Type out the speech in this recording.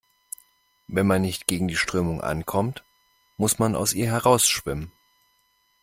Wenn man nicht gegen die Strömung ankommt, muss man aus ihr heraus schwimmen.